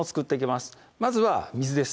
まずは水です